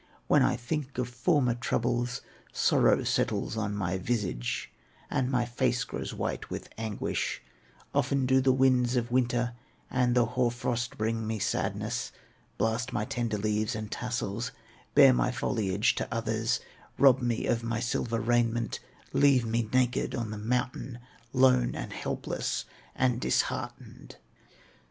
When I think of former troubles, Sorrow settles on my visage, And my face grows white with anguish; Often do the winds of winter And the hoar frost bring me sadness, Blast my tender leaves and tassels, Bear my foliage to others, Rob me of my silver raiment, Leave me naked on the mountain, Lone, and helpless, and disheartened!"